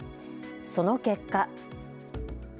その結果。